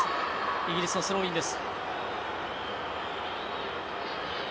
イギリスのスローインです。